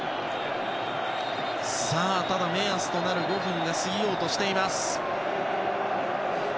ただ、目安となる５分が過ぎようとしています。